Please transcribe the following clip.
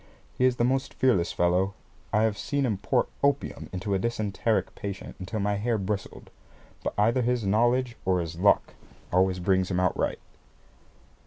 He is the most fearless fellow. I have seen him pour opium into a dysenteric patient until my hair bristled. But either his knowledge or his luck always brings him out right.